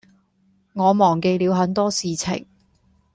我忘記了很多事情